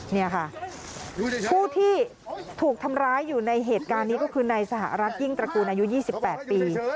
นี่ค่ะผู้ที่ถูกทำร้ายอยู่ในเหตุการณ์นี้ก็คือในสหรัฐยิ่งตระกูลอายุ๒๘ปี